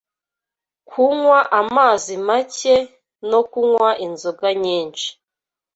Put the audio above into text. kunywa amazi make, no kunywa izoga nyinshi